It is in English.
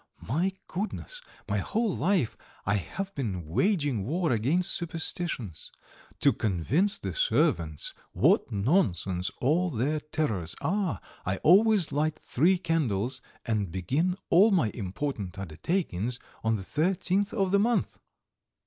My goodness, my whole life I have been waging war against superstitions! To convince the servants what nonsense all their terrors are, I always light three candles, and begin all my important undertakings on the thirteenth of the month."